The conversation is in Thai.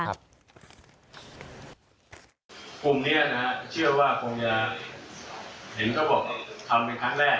แจกรุมนี้นะครับคือว่ากุมยาเห็นเขาบอกทำเป็นครั้งแรก